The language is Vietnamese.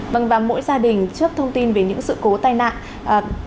vâng và mỗi gia đình trước thông tin về những sự cố tai nạn